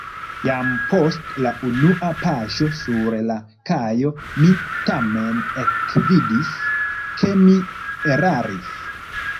Jam post la unua paŝo sur la kajo mi tamen ekvidis, ke mi eraris.